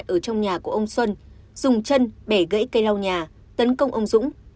lâm lấy cây rau nhà của ông xuân dùng chân bẻ gãy cây rau nhà tấn công ông dũng